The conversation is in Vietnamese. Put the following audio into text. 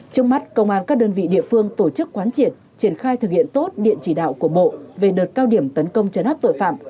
trong mắt công an các đơn vị địa phương tổ chức quán triệt triển khai thực hiện tốt điện chỉ đạo của bộ về đợt cao điểm tấn công chấn áp tội phạm